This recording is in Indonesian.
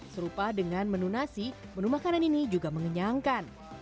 serupa dengan menu nasi menu makanan ini juga mengenyangkan